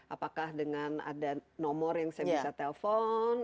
apakah dengan ada nomor yang saya bisa telpon